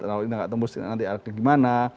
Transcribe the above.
kalau ini tidak tembus nanti artinya bagaimana